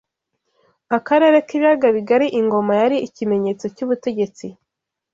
Akarere k’ibiyaga bigari ingoma yari ikimenyetso cy’ubutegetsi